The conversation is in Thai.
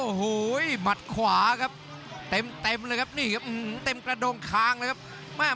โอ้โหหมัดขวาครับเต็มเต็มเลยครับนี่ครับเต็มกระดงคางเลยครับ